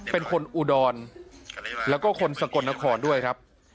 เป็นคนอุดรแล้วก็คนสกลนครด้วยครับ